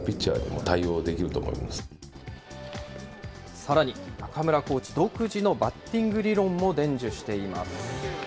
さらに中村コーチ独自のバッティング理論も伝授しています。